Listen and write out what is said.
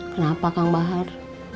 kenapa kang bahar